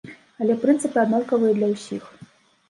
Але прынцыпы аднолькавыя для ўсіх.